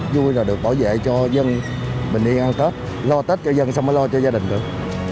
vui là được bảo vệ cho dân bình yên ăn tết lo tết cho dân xong rồi lo cho gia đình nữa